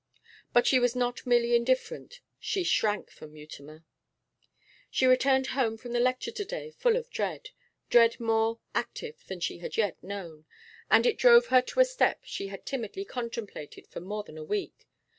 But she was not merely indifferent; she shrank from Mutimer. She returned home from the lecture to day full of dread dread more active than she had yet known. And it drove her to a step she had timidly contemplated for more than a week.